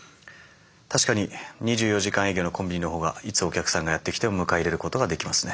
確かに２４時間営業のコンビニの方がいつお客さんがやって来ても迎え入れることができますね。